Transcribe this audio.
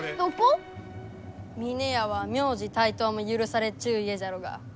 峰屋は名字帯刀も許されちゅう家じゃろうが。